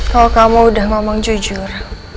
kalau kamu udah memang jujur